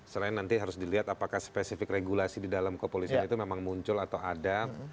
selain nanti harus dilihat apakah spesifik regulasi di dalam kepolisian itu memang muncul atau ada